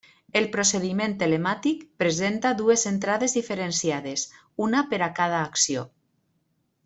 El procediment telemàtic presenta dues entrades diferenciades, una per a cada acció.